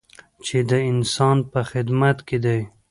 چې د انسان په خدمت کې دی.